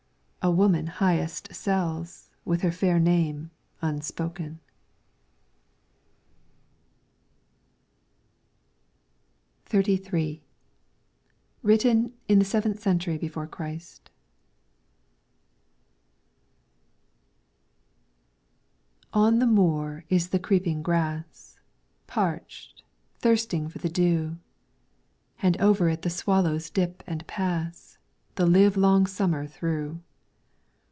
A woman highest sells, With her fair name unspoken. 36 LYRICS FROM THE CHINESE XXXIII Written in the seventh century before Christ. On the moor is the creeping grass, Parched, thirsting for the dew, And over it the swallows dip and pass. The live long summer through.